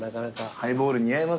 ハイボール似合いますね